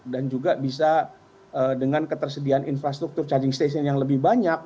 dan juga bisa dengan ketersediaan infrastruktur charging station yang lebih banyak